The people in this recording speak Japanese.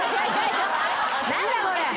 何だこれ。